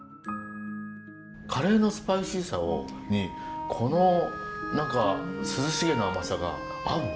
カレーのスパイシーさにこの何か涼しげな甘さが合うわ！